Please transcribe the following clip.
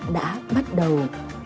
đã bắt đầu